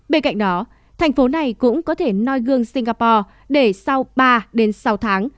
bên cạnh đó thành phố này cũng có thể noi gương singapore để sau ba đến sáu tháng